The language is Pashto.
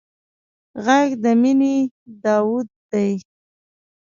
غږ د مینې داوود دی